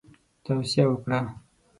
توصیه وکړه.